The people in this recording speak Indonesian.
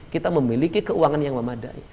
kita memiliki keuangan yang memadai